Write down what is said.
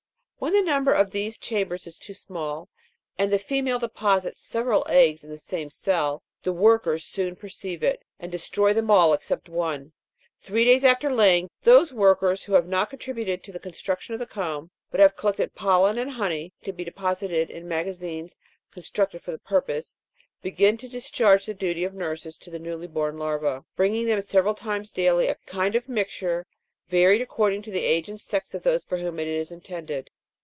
When the number of these chambers is too small, and the female deposits several eggs in the same cell, the workers soon perceive it, and destroy them all except one. Three days after laying, those workers who have not contributed to the construction of the comb, but have collected pollen and honey to be deposited in magazines con structed for the purpose, begin to discharge the duty of nurses to the newly born larvse, bringing them several times daily a kind of mixture varied according to the age and sex of those for whom it is intended.